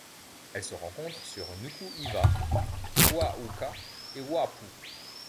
Elle se rencontre sur Nuku Hiva, Ua Huka et Ua Pou.